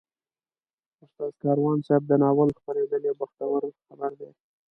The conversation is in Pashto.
د استاد کاروان صاحب د ناول خپرېدل یو بختور خبر دی.